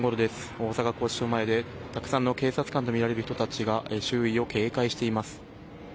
大阪拘置所前で、たくさんの警察官とみられる人たちが周囲を警戒しています。